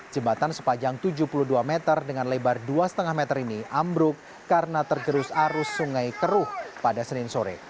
jembatan sepanjang tujuh puluh dua meter dengan lebar dua lima meter ini ambruk karena tergerus arus sungai keruh pada senin sore